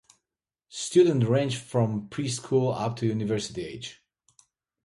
Student range from pre-school up to university age.